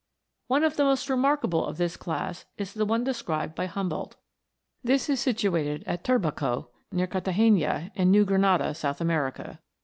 One of the most remarkable of this class is the one described by Humboldt. This is situated at Turbaco, near Carthagena, in New Grenada, South America.